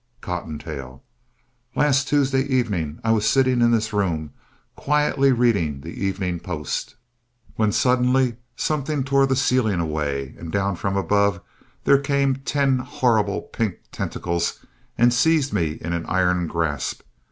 COTTONTAIL Last Tuesday evening I was sitting in this room, quietly reading The Evening Post, when suddenly something tore the ceiling away, and down from above there came ten horrible pink tentacles and seized me in an iron grasp.